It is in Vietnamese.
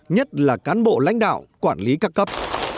nhất là cán bộ lãnh đạo quản lý các cấp